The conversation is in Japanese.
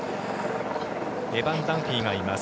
エバン・ダンフィーがいます。